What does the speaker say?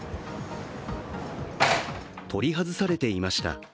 取り外されていました。